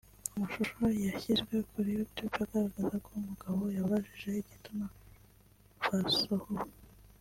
Amashusho yashyizwe kuri youtube agaragaza ko umugabo yabajije igituma basohowe